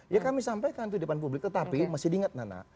ya kami sampaikan itu di depan publik tetapi masih diingat nana